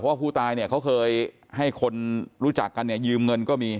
เพราะว่าผู้ตายเขาเคยให้คนรู้จักกันยืมเงินก็มี